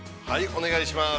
◆お願いします。